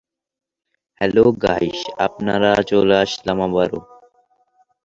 নিম্ন পিএইচ মাত্রা সহনীয় প্রোটিনের ওপর গবেষণা থেকে এই অভিযোজন প্রক্রিয়া সম্পর্কে খুবই সামান্য ধারণা পাওয়া গেছে।